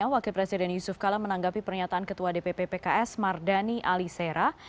wakil presiden yusuf kala menanggapi pernyataan ketua dpp pks mardani alisera